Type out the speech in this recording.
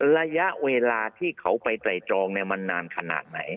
ระยะเวลาที่เขาไปไตรตรองมันนานขนาดไหน